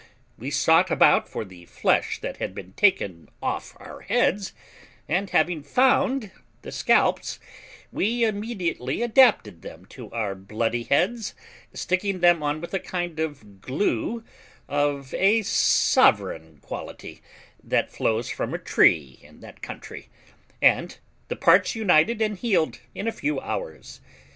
We sought about for the flesh that had been taken off our heads, and having found the scalps, we immediately adapted them to our bloody heads, sticking them on with a kind of glue of a sovereign quality, that flows from a tree in that country, and the parts united and healed in a few hours.